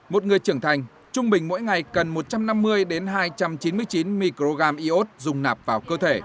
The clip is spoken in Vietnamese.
một người trưởng thành trung bình mỗi ngày cần một trăm năm mươi hai trăm chín mươi chín microgram iốt dùng nạp vào cơ thể